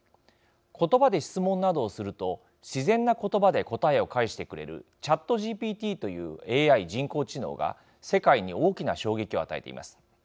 言葉で質問などをすると自然な言葉で答えを返してくれるＣｈａｔＧＰＴというＡＩ人工知能が世界に大きな衝撃を与えています。